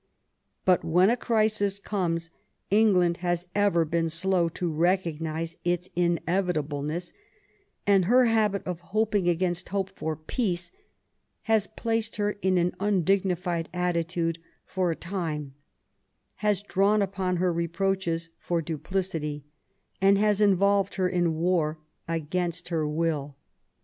But when a crisis comes England has ever been slow to recognise its inevitableness ; and her habit of hoping against hope for peace has placed her in an undignified attitude for a time, has drawn upon her reproach^es for duplicity, and has involved her in war against her will.